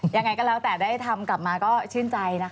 ยังไงก็แล้วแต่ได้ทำกลับมาก็ชื่นใจนะคะ